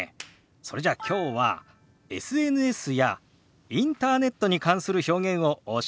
それじゃあきょうはＳＮＳやインターネットに関する表現をお教えしましょう。